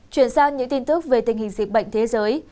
chuyển sang những tin tức về tình hình dịch bệnh thế giới